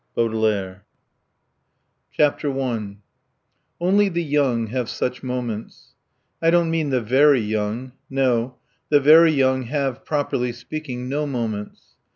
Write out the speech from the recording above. BAUDELAIRE I Only the young have such moments. I don't mean the very young. No. The very young have, properly speaking, no moments.